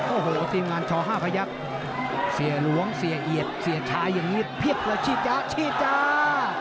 โอ้โหทีมงานชอ๕พยักษ์เสียหลวงเสียเอียดเสียชายอย่างนี้เพียบเลยชี้จ๊ะชี่จ้า